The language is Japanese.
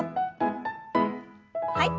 はい。